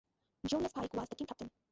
Julius Pike was the team captain.